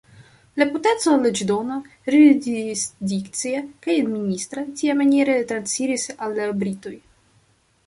La potenco leĝdona, jurisdikcia kaj administra tiamaniere transiris al la britoj.